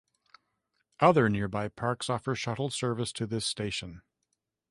Other nearby business parks offer shuttle service to this station.